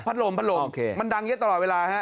ลมพัดลมมันดังเยอะตลอดเวลาฮะ